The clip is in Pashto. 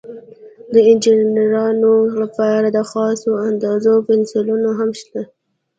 د انجینرانو لپاره د خاصو اندازو پنسلونه هم شته.